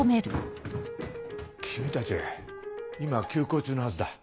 君たち今は休校中のはずだ。